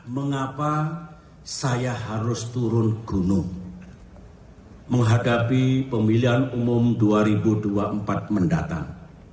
mengapa saya harus turun gunung menghadapi pemilihan umum dua ribu dua puluh empat mendatang